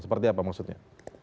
seperti apa maksudnya